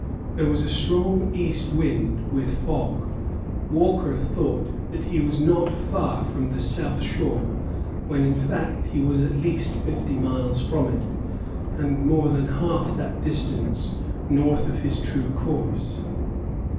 There was a strong east wind, with fog. Walker thought that he was not far from the south shore, when in fact he was at least fifty miles from it, and more than half that distance north of his true course.